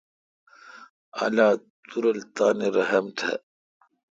اللہ تو رل تان رحم تھ۔